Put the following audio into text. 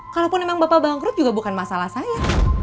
kalaupun memang bapak bangkrut juga bukan masalah saya